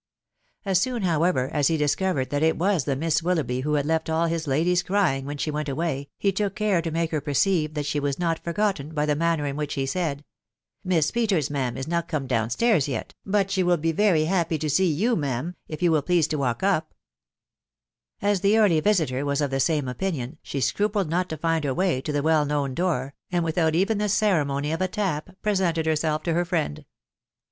As soon, however, as he discovered that it was the Mas Willoughby who had left all his ladies crying when away, he took care to make her perceive that she waa not gotten by the manner in which he said, " Miss Peterayma/i is not come down stairs yet ; but she will be very happy t* sat you, ma'am, if you will please to walk up," As the early visiter was of the same opinion, she scrupled not to find her way to the well known door, and without even the ceremony of a tap, presented herself to her friend.